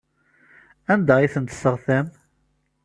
Anda ay ten-tesseɣtam?